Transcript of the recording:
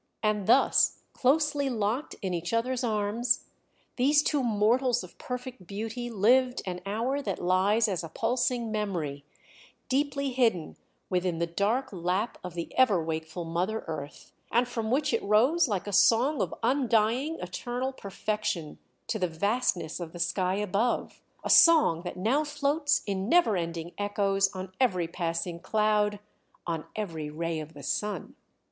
And thus, closely locked in each other's arms, these two mortals of perfect beauty lived an hour that lies as a pulsing memory, deeply hidden within the dark lap of the ever wakeful Mother Earth, and from which it rose like a song of undying, eternal perfection to the vastness of the sky above: a song that now floats in never ending echoes on every passing cloud, on every ray of the sun.